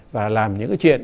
và làm những cái chuyện